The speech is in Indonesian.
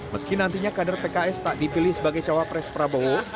meski nantinya kader pks tak dipilih sebagai cawapres prabowo